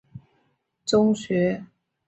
毕业于河北省馆陶县滩上中学。